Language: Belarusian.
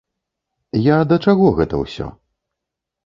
Я да чаго гэта ўсё?